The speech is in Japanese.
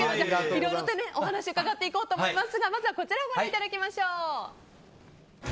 いろいろとお話を伺っていこうと思いますがまずはこちらをご覧いただきましょう。